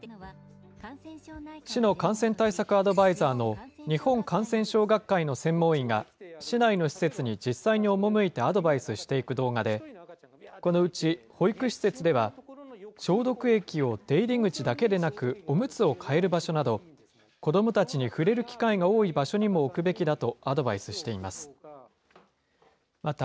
市の感染対策アドバイザーの、日本感染症学会の専門医が、市内の施設に実際に赴いてアドバイスしていく動画で、このうち、保育施設では消毒液を出入り口だけでなく、おむつを替える場所など、子どもたちに触れる機会が多い場所にも置くべきだとアドバイスしています。